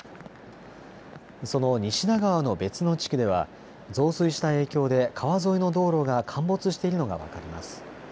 その西田川の別の地域では増水した影響で川沿いの道路が陥没しているのが分かります。